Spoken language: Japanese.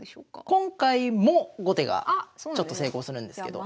今回も後手がちょっと成功するんですけど。